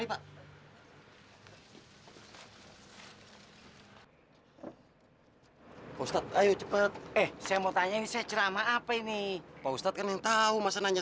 postat ayo cepet eh saya mau tanya secerah apa ini pak ustadz kan yang tahu masa nanya